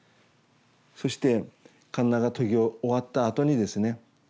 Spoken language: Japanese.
そしてかんなが研ぎ終わったあとにですね